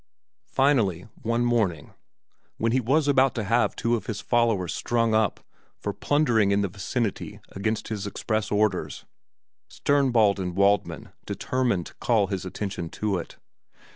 Finally one morning, when he was about to have two of his followers strung up for plundering in the vicinity against his express orders, Sternbald and Waldmann determined to call his attention to it.